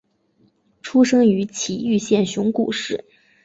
出生于崎玉县熊谷市。